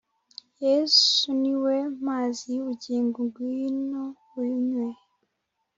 yesu niwe mazi y’ubugingo ngwino unywe